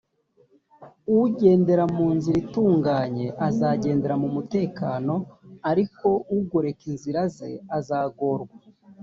ugendera mu nzira itunganye azagenda mu mutekano ariko ugoreka inzira ze azagorwa